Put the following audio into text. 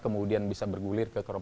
kemudian bisa berguna dan bisa berguna